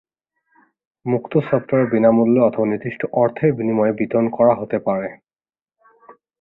মুক্ত সফটওয়্যার বিনামূল্যে অথবা নির্দিষ্ট অর্থের বিনিময়ে বিতরণ করা হতে পারে।